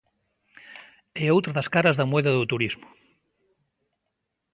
É outra das caras da moeda do turismo.